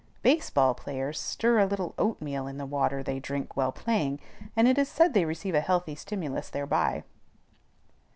Base ball players stir a little oatmeal in the water they drink while playing, and it is said they receive a healthy stimulus thereby.